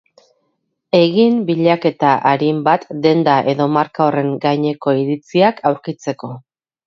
Egin bilaketa arin bat denda edo marka horren gaineko iritziak aurkitzeko.